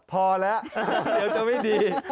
พอแล้วเดี๋ยวจะไม่ดี